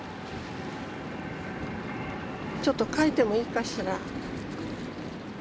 ちょっと描いてもいいかしら。